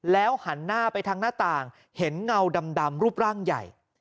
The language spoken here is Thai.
หันหน้าไปทางหน้าต่างเห็นเงาดำรูปร่างใหญ่